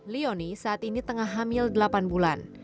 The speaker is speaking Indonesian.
leoni saat ini tengah hamil delapan bulan